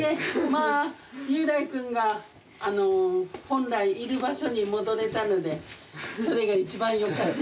まあ侑大くんが本来いる場所に戻れたのでそれが一番よかったです。